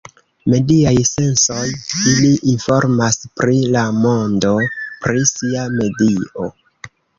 Mediaj sensoj, ili informas pri la mondo; pri sia medio.